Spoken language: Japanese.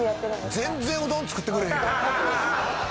全然うどん作ってくれへんやん